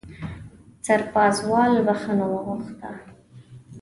سرپازوال بښنه وغوښته.